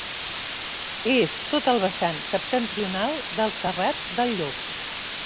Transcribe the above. És tot el vessant septentrional del Serrat del Llop.